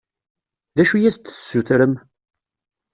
D acu i as-d-tessutrem?